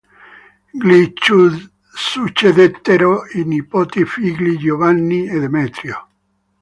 Gli succedettero i nipoti figli Giovanni e Demetrio.